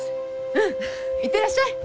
うん行ってらっしゃい！